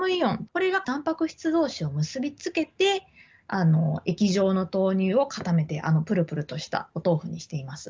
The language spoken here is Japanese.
これがたんぱく質同士を結び付けて、液状の豆乳を固めてプルプルとしたお豆腐にしています。